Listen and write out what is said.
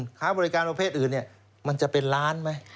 ค้าบริการประเภทอื่นมันจะเป็นล้านไหม